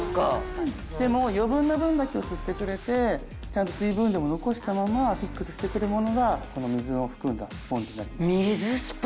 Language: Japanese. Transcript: でも余分な分だけを吸ってくれてちゃんと水分量も残したままフィックスしてくれるものがこの水を含んだスポンジ。